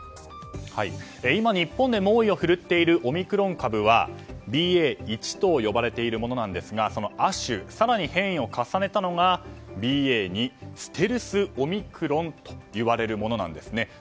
今、日本で猛威を振るっているオミクロン株はＢＡ．１と呼ばれているものなんですがその亜種、更に変異を重ねたのがＢＡ．２ステルスオミクロンと呼ばれるものなんですね。